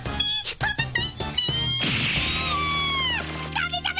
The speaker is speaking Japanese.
ダメダメ！